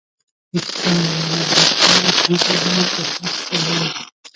ریښتینې ملګرتیا دې ته وایي چې هر څه وایئ.